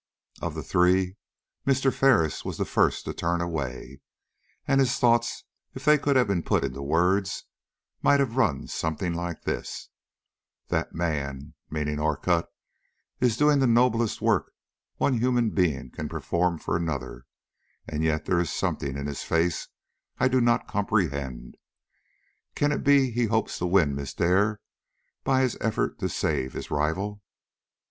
Of the three, Mr. Ferris was the first to turn away, and his thoughts if they could have been put into words might have run something like this: "That man" meaning Orcutt "is doing the noblest work one human being can perform for another, and yet there is something in his face I do not comprehend. Can it be he hopes to win Miss Dare by his effort to save his rival?"